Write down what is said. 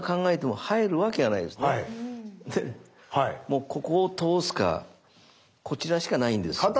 もうここを通すかこちらしかないんですよ。